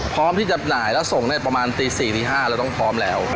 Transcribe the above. พร้อมที่จะหน่ายแล้วส่งได้ประมาณตี๔ตี๕เราต้องพร้อมแล้ว